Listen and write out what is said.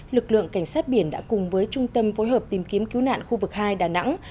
lực lượng cảnh sát biển đã cùng với trung tâm phối hợp tìm kiếm cứu nạn khu vực hai đà nẵng